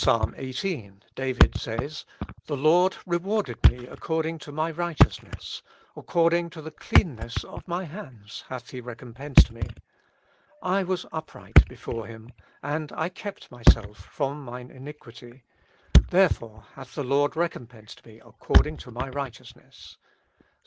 xviii. David says: "The Lord rewarded me according to my righteousness ; according to the cleanness of my hands hath He recompensed me. ... I was upright before Him, and I kept myself from mine iniquity : therefore hath the Lord recom pensed me according to my righteousness." (Ps.